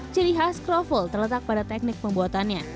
ciri khas kroffel terletak pada teknik pembuatannya